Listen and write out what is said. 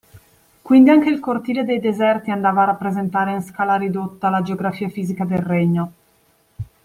Quindi anche il cortile dei Deserti andava a rappresentare in scala ridotta la geografia fisica del regno.